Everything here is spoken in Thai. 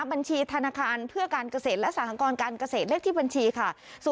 บัญชีธนาคารเพื่อการเกษตรและสหกรการเกษตรเลขที่บัญชีค่ะ